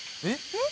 「えっ！？」